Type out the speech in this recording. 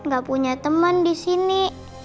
gak punya teman di sini